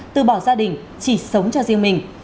từ bỏ gia đình chỉ sống cho riêng mình